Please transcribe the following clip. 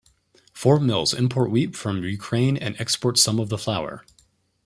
Flour mills import wheat from Ukraine and export some of the flour.